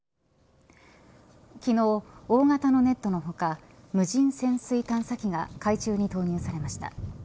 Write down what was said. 昨日、大型のネットの他無人潜水探査機が海中に投入されました。